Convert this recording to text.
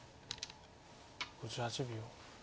５８秒。